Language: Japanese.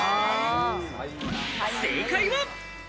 正解は。